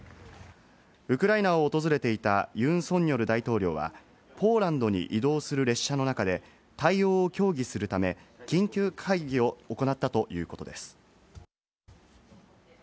ウクライナを訪れていたユン・ソンニョル大統領は、ポーランドに移動する列車の中で対応を協議するため、緊急会議を行ったということです。